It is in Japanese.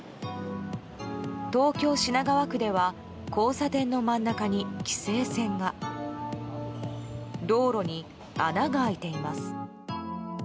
東京・品川区では交差点の真ん中に規制線が道路に穴が開いています。